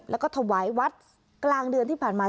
แล้วก็ถวายวัดกลางเดือนที่ผ่านมา